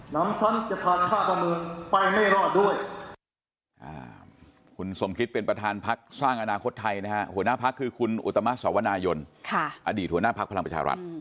หนังสั้นจะพาชาติประเมิงไปไม่รอดด้วย